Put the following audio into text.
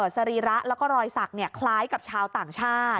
สรีระแล้วก็รอยสักคล้ายกับชาวต่างชาติ